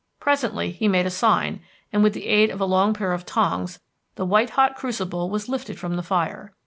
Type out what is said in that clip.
Presently he made a sign, and with the aid of a long pair of tongs, the white hot crucible was lifted from the fire.